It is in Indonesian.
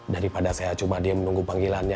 daripada saya cuma dia menunggu panggilannya